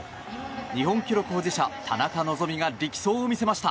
日本記録保持者、田中希実が力走を見せました。